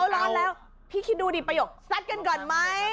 ร้อนแล้วพี่คิดดูดิประโยคซัดกันก่อนไหม